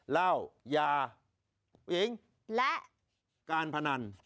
เล่ายาหญิงและการพนัน